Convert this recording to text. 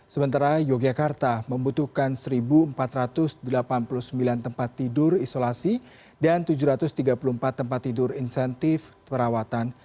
sementara yogyakarta membutuhkan satu empat ratus delapan puluh sembilan tempat tidur isolasi dan tujuh ratus tiga puluh empat tempat tidur insentif perawatan